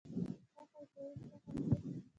ښه ښه، اسرائیلو ته هم ځې.